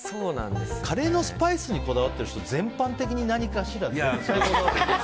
カレーのスパイスにこだわっている人って何かしら、絶対ね。